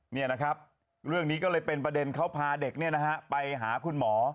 นี่นะครับเรื่องนี้ก็เลยเป็นประเด็นเขาพาเด็กไปหาคุณหมอ